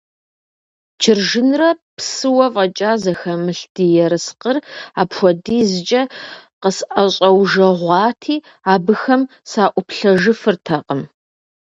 Чыржынрэ псыуэ фӀэкӀа зэхэмылъ ди ерыскъыр апхуэдизкӀэ къысӀэщӀэужэгъуати, абыхэм саӀуплъэжыфыртэкъым.